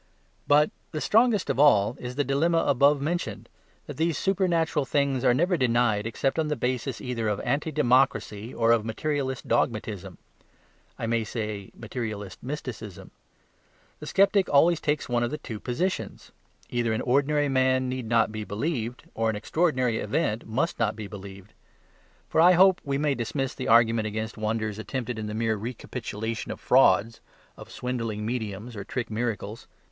But the strongest of all is the dilemma above mentioned, that these supernatural things are never denied except on the basis either of anti democracy or of materialist dogmatism I may say materialist mysticism. The sceptic always takes one of the two positions; either an ordinary man need not be believed, or an extraordinary event must not be believed. For I hope we may dismiss the argument against wonders attempted in the mere recapitulation of frauds, of swindling mediums or trick miracles.